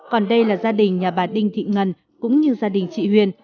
còn đây là gia đình nhà bà đinh thị ngân cũng như gia đình chị huyền